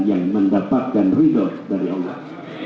yang mendapatkan ridho dari allah